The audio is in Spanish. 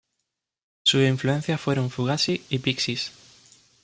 Sus influencias fueron Fugazi y Pixies.